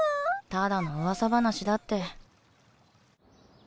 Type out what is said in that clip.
ただの噂話だって。